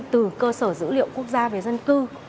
từ cơ sở dữ liệu quốc gia về dân cư